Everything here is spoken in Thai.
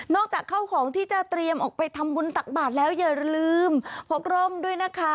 จากเข้าของที่จะเตรียมออกไปทำบุญตักบาทแล้วอย่าลืมพกร่มด้วยนะคะ